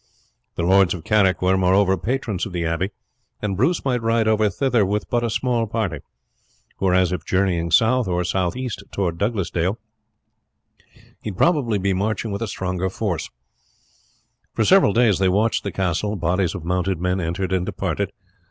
The lords of Carrick were, moreover, patrons of the abbey; and Bruce might ride over thither with but a small party, whereas, if journeying south, or southeast towards Douglasdale, he would probably be marching with a strong force. For several days they watched the castle; bodies of mounted men entered and departed.